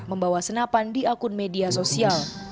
membawa senapan di akun media sosial